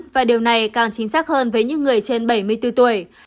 và điều này càng chính xác hơn với những người trên bảy mươi bốn tuổi